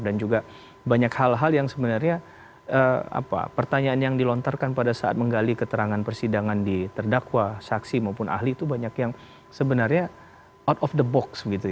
dan juga banyak hal hal yang sebenarnya pertanyaan yang dilontarkan pada saat menggali keterangan persidangan di terdakwa saksi maupun ahli itu banyak yang sebenarnya out of the box